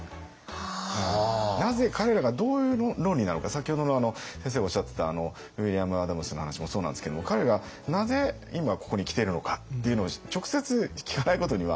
先ほどの先生がおっしゃってたウィリアム・アダムスの話もそうなんですけども彼がなぜ今ここに来ているのかっていうのを直接聞かないことには。